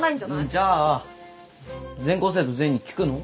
じゃあ全校生徒全員に聞くの？